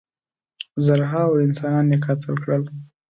زرهاوو انسانان یې قتل کړل.